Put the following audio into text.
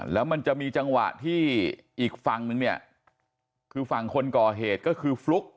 แล้วมันจะมีจังหวะที่อีกฝั่งนึงเนี่ยคือฝั่งคนก่อเหตุก็คือฟลุ๊ก